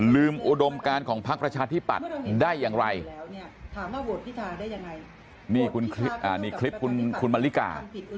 ลืมอุดมการของภักดิ์ประชาธิปัตย์ได้ยังไงนี่คลิปคุณคุณมันริกา